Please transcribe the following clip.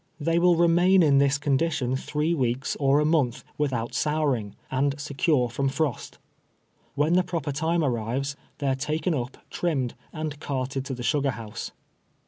They will remain in this con dition three weeks or a month without souring, and secure from frost. "When the proper time arrives, they are taken up, trimmed and carted to the sugar house.